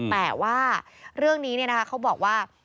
แต่ว่าเรื่องนี้เขาบอกว่า